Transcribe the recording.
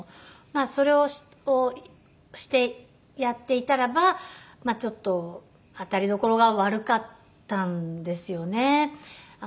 それをしてやっていたらばちょっと当たりどころが悪かったんですよね。